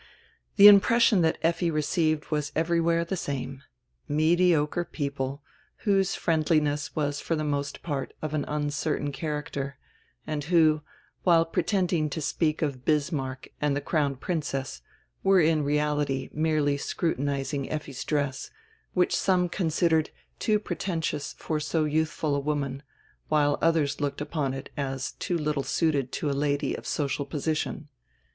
The impression that Effi received was everywhere the same. Mediocre people, whose friendliness was for the most part of an uncertain character, and who, while pretending to speak of Bismarck and tire Crown Princess, were in reality merely scrutinizing Effi's dress, which sonre considered too pretentious for so youthful a wonran, while others looked upon it as too little suited to a lady of social position.